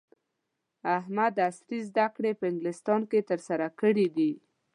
احمد عصري زده کړې په انګلستان کې ترسره کړې دي.